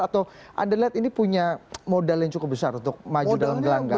atau anda lihat ini punya modal yang cukup besar untuk maju dalam gelangga